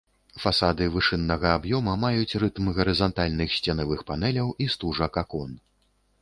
Фасады вышыннага аб'ёма маюць рытм гарызантальных сценавых панеляў і стужак акон.